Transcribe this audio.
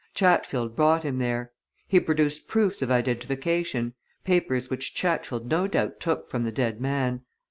Chatfield brought him there. He produced proofs of identification papers which Chatfield no doubt took from the dead man.